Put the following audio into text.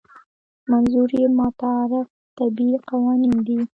منظور یې متعارف طبیعي قوانین دي.